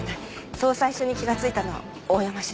そう最初に気がついたのは大山主任ですから。